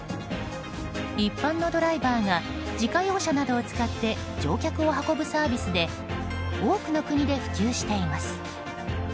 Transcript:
一般のドライバーが自家用車などを使って乗客を運ぶサービスで多くの国で普及しています。